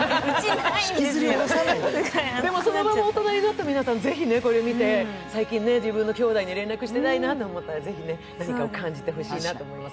そのまま大人になった皆さんもこれ見て最近、自分のきょうだいに連絡していないなと思ったら、ぜひ何かを感じてほしいなと思います。